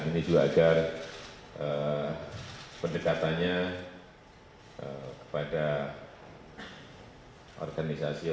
ini juga agar pendekatannya kepada organisasi